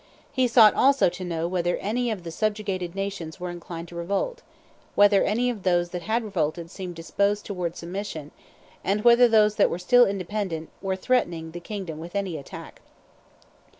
He sought also to know whether any of the subjugated nations were inclined to revolt; whether any of those that had revolted seemed disposed towards submission; and whether those that were still independent were threatening the kingdom with any attack.